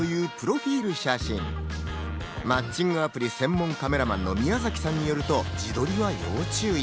アプリ専門カメラマンの宮崎さんによると、自撮りは要注意。